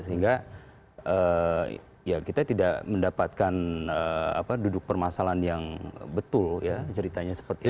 sehingga ya kita tidak mendapatkan duduk permasalahan yang betul ya ceritanya seperti itu